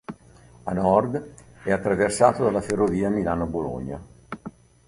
A nord è attraversato dalla ferrovia Milano-Bologna.